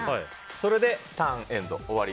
それでターンエンド、終わり。